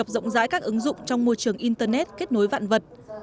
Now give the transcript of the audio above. tổng giải các ứng dụng trong môi trường internet kết nối vạn vật